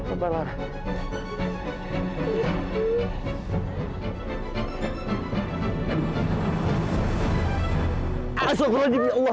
astaghfirullahaladzim ya allah